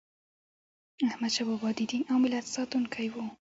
احمدشاه بابا د دین او ملت ساتونکی و.